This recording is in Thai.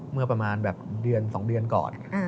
เมื่อประมาณแบบเดือน๒เดือนก่อน